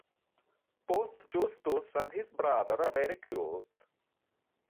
Both Justus and his brother are very cute.